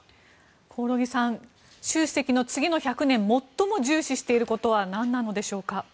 興梠さん習主席の次の１００年最も重視していることはなんなのでしょうか？